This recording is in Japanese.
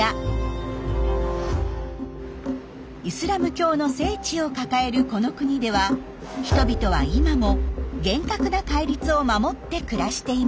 イスラム教の聖地を抱えるこの国では人々は今も厳格な戒律を守って暮らしています。